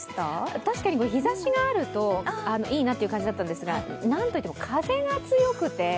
確かに日ざしがあるといいなって感じだったんですがなんといっても風が強くて。